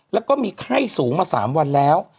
แล้วก็มีไข้สูงมา๓วันแล้ว